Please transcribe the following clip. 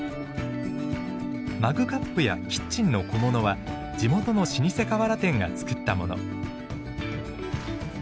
マグカップやキッチンの小物は地元の老舗瓦店が作ったもの。